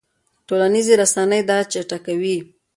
ټولنیزې رسنۍ دا چټکوي.